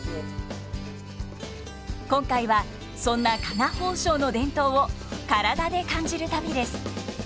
今回はそんな加賀宝生の伝統を体で感じる旅です。